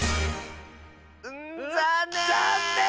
ざんねん！